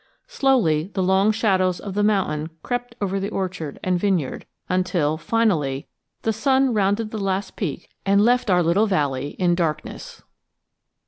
Slowly the long shadows of the mountain crept over orchard and vineyard until, finally, the sun rounded the last peak and left our little valley in darkness.